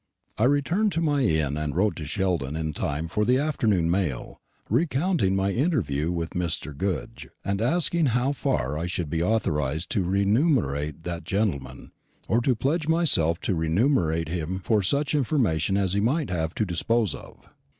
I returned to my inn and wrote to Sheldon in time for the afternoon mail, recounting my interview with Mr. Goodge, and asking how far I should be authorised to remunerate that gentleman, or to pledge myself to remunerate him for such information as he might have to dispose of.